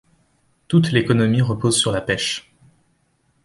Toute l’économie repose sur la pêche.